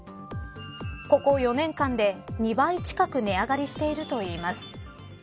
ここ４年間で２倍近く値上がりしているといいます。